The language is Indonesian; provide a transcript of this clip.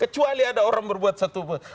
kecuali ada orang berbuat satu